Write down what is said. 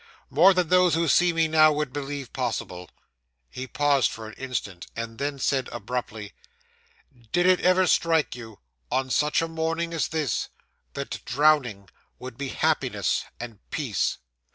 More than those who see me now would believe possible.' He paused for an instant, and then said abruptly 'Did it ever strike you, on such a morning as this, that drowning would be happiness and peace?